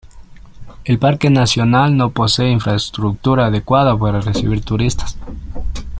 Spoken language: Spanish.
El parque nacional no posee infraestructura adecuada para recibir turistas.